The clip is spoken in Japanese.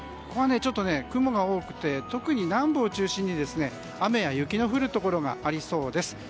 ここは雲が多くて特に南部を中心に雨や雪の降るところがありそうです。